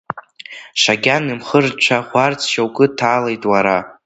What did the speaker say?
Шагьан имхы рцәаӷәарц шьоукы ҭалеит, уара?